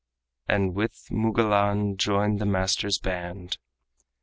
And with Mugallan joined the master's band.